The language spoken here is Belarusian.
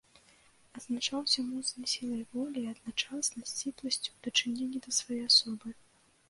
Адзначаўся моцнай сілай волі і адначасна сціпласцю у дачыненні да свае асобы.